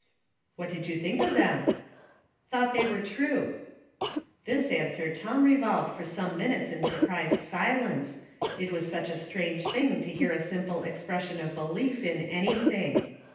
" What did you think of them ?*'" Thought they were true." This answer Tom revolved for some minutes in surprised silence, it was such a strange thing Ihuo Peters. 83 to hear a simple expression of belief in anything.